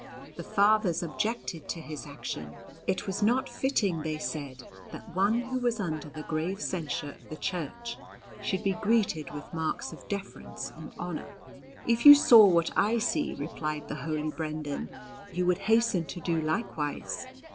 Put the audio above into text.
The Fathers objected to his action. It was not fitting, they said, that one who was under the grave censure of the Church should be greeted with marks of deference and honour. "If you saw what I see," replied the holy Brendan, "you would hasten to do likewise.